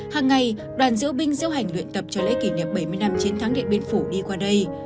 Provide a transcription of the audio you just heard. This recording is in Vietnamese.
hàng ngày đoàn diễu binh diễu hành luyện tập cho lễ kỷ niệm bảy mươi năm chiến thắng điện biên phủ đi qua đây